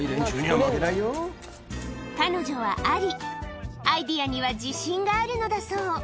彼女はアイデアには自信があるのだそう